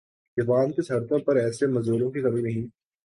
Japan کی سڑکوں پر ایسے مزدوروں کی کمی نہیں